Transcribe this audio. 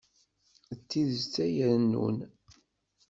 D tidet ay irennun.